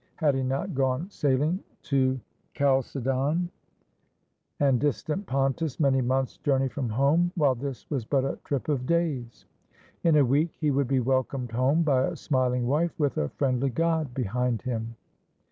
Had he not gone sail ing to Chalcedon and distant Pontus, many months' journey from home, while this was but a trip of days. In a week he would be welcomed home by a smiling wife, with a friendly god behind him.